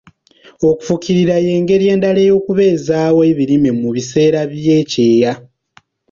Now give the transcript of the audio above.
Okufukirira y'engeri endala ey'okubeezaawo ebirime mu biseera by'ekyeya.